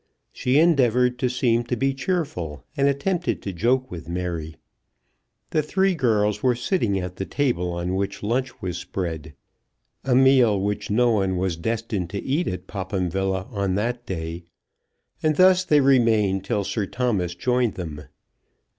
She endeavoured to seem to be cheerful, and attempted to joke with Mary. The three girls were sitting at the table on which lunch was spread, a meal which no one was destined to eat at Popham Villa on that day, and thus they remained till Sir Thomas joined them.